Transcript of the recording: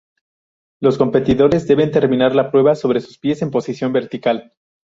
Los competidores deben terminar la prueba sobre sus pies en posición vertical.